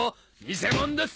偽者です！